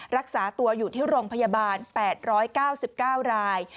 รักษาตัวอยู่ที่โรงพยาบาล๘๙๙ราย